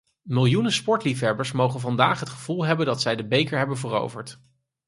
Miljoenen sportliefhebbers mogen vandaag het gevoel hebben dat zij de beker hebben veroverd.